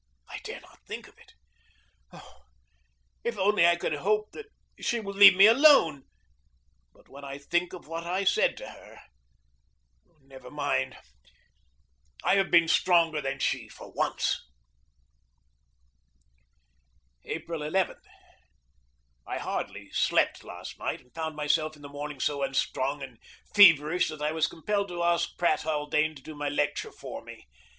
I dare not think of it. Oh, if only I could hope that she will leave me alone! But when I think of what I said to her Never mind; I have been stronger than she for once. April 11. I hardly slept last night, and found myself in the morning so unstrung and feverish that I was compelled to ask Pratt Haldane to do my lecture for me.